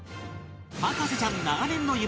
博士ちゃん長年の夢